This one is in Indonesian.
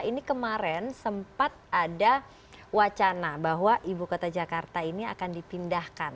ini kemarin sempat ada wacana bahwa ibu kota jakarta ini akan dipindahkan